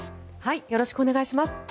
よろしくお願いします。